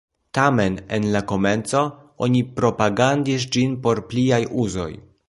Tamen, en la komenco, oni propagandis ĝin por pliaj uzoj.